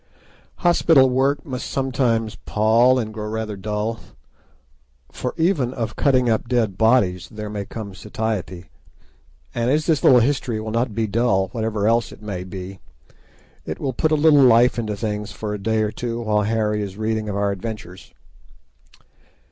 Hospital work must sometimes pall and grow rather dull, for even of cutting up dead bodies there may come satiety, and as this history will not be dull, whatever else it may be, it will put a little life into things for a day or two while Harry is reading of our adventures.